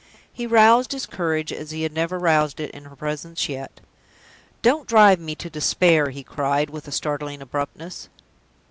He roused his courage as he had never roused it in her presence yet. "Don't drive me to despair!" he cried, with a startling abruptness.